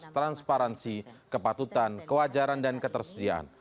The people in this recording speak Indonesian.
transparansi kepatutan kewajaran dan ketersediaan